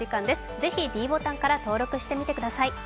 ぜひｄボタンから登録してみてください。